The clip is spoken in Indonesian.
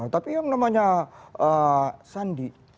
tapi yang namanya sandi